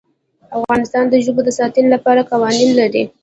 افغانستان د ژبو د ساتنې لپاره قوانین لري.